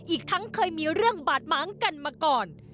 อีกทั้งเคยมีเรื่องบาดม้างกันมาก่อน